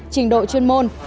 trình độ chuyên môn